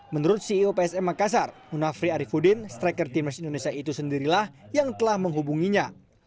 menurut ceo psm makassar manu afri arifudin striker tim nasional indonesia itu sendirilah yang telah menghubunginya